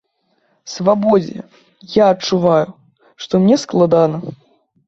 Свабодзе, я адчуваю, што мне складана.